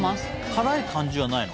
辛い感じはないの？